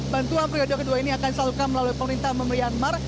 bantuan periode kedua ini akan disalurkan melalui pemerintah myanmar